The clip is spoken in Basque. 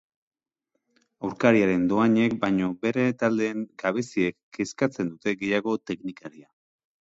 Aurkariaren dohainek baino bere taldearen gabeziek kezkatzen dute gehiago teknikaria.